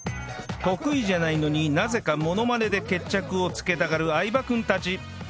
得意じゃないのになぜかモノマネで決着をつけたがる相葉君たち